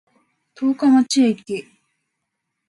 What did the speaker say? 十日町駅